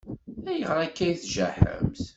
Ayɣer akka i tjaḥemt?